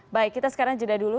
baik kita sekarang jeda dulu